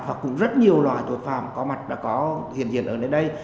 và cũng rất nhiều loại tội phạm có mặt đã có hiện diện ở nơi đây